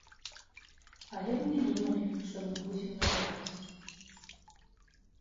Але мы не думалі, што мы будзем ваяваць!